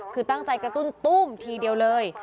คือตั้งใจกระตุ้นตุ้มทีเดียวเลย